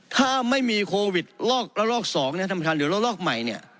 ถ้าไม่มีโควิดระลอก๒เนี่ยท่านประธานหรือระลอกใหม่เนี่ย